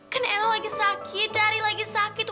kan erah lagi sakit dari lagi sakit